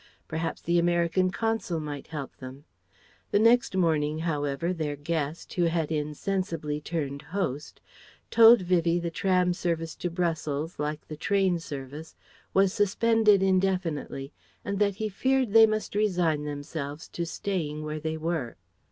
Perhaps the American Consul might help them? The next morning, however, their guest, who had insensibly turned host, told Vivie the tram service to Brussels, like the train service, was suspended indefinitely, and that he feared they must resign themselves to staying where they were.